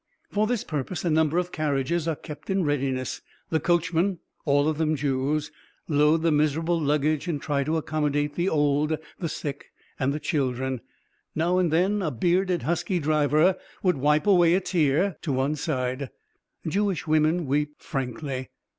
For this purpose a number of carriages are kept in readiness. The coachmen, all of them Jews, load the miserable luggage and try to accommodate the old, the sick, and the children. Now and then a bearded, husky driver would wipe away a tear; to one side, Jewish women weep frankly.